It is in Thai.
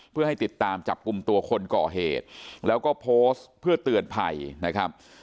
เพื่อให้ติดตามจับกลุ่มตัวคนก่อเหตุแล้วก็โพสต์เพื่อเตือนภัยนะครับ